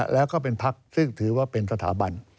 แล้วก็เป็นพักซึ่งถือว่าเป็นสถาบัน